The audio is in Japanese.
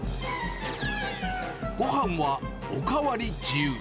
ごはんはお代わり自由。